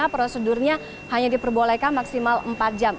prosedurnya hanya diperbolehkan maksimal empat jam